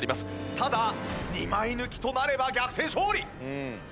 ただ２枚抜きとなれば逆転勝利！